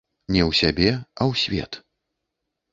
Не ў сябе, а ў свет.